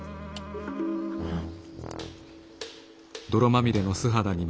うん。